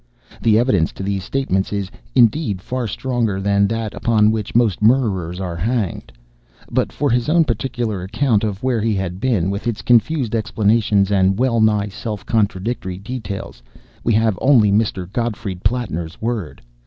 The evidence to these statements is, indeed, far stronger than that upon which most murderers are hanged. But for his own particular account of where he had been, with its confused explanations and wellnigh self contradictory details, we have only Mr. Gottfried Plattner's word.